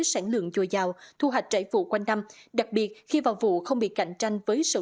sản lượng dùa dào thu hoạch trải vụ quanh năm đặc biệt khi vào vụ không bị cạnh tranh với sầu